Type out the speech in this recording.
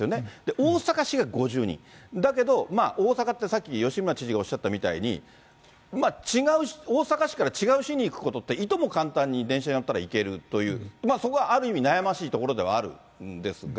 大阪市が５０人、だけど大阪って、さっき吉村知事がおっしゃったみたいに、大阪市から違う市に行くことって、いとも簡単に、電車に乗ったらいけるという、そこがある意味悩ましいところではあるんですが。